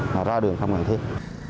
mà ra đường không cần thiết